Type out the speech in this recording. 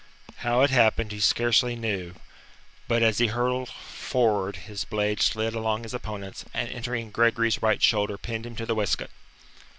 How it happened he scarcely knew, but as he hurtled forward his blade slid along his opponent's, and entering Gregory's right shoulder pinned him to the wainscot.